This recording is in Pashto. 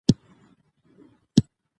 څو کسان راغلي وو؟